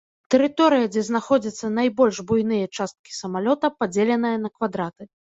Тэрыторыя, дзе знаходзяцца найбольш буйныя часткі самалёта, падзеленая на квадраты.